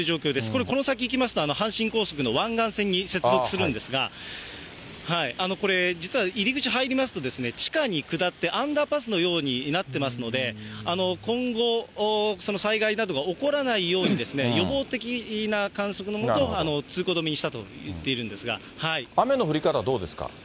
これ、この先行きますと、阪神高速の湾岸線に接続するんですが、これ、実は入り口入りますと、地下に下って、アンダーパスのようになってますので、今後、災害などが起こらないように、予防的な観測のもと、通行止めにしたといっているんですが。